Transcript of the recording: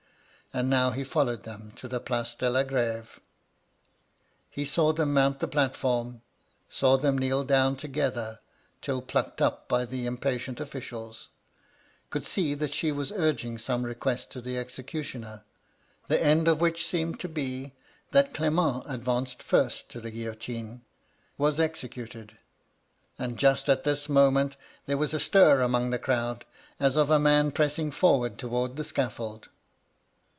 And now he followed them to the Place de la Greve. He saw them mount the platform ; saw them kneel down together till plucked up by the impatient officials; could see that she was urging some request to the executioner; the end of which seemed to be, that Clement advanced first to tiie guillotine, was executed (and just at this moment there was a stir among the crowd, as of a man pressing forward towards the scaffold).